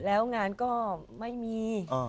แล้วงานก็ไม่มี